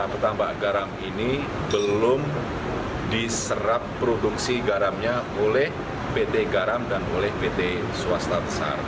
pertambah garam ini belum diserap produksi garamnya oleh pt garam dan oleh pt swastata sar